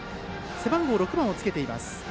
背番号６番をつけています。